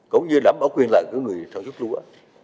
cũng như đảm bảo quyền lợi của người sản xuất lúa